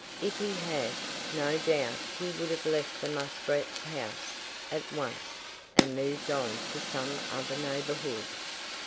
If he had, no doubt he would have left the muskrat's house at once and moved on to some other neighborhood.